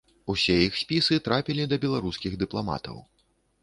Усе іх спісы трапілі да беларускіх дыпламатаў.